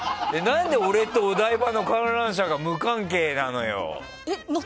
なんで俺とお台場の観覧車が無関係なのよ。